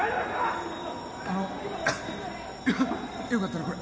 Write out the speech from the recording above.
あのよかったらこれ